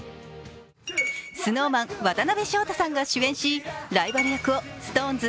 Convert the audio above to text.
ＳｎｏｗＭａｎ・渡辺翔太さんが主演し、ライバル役をＳｉｘＴＯＮＥＳ